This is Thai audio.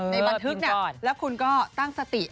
ในบันทึกแล้วคุณก็ตั้งสติ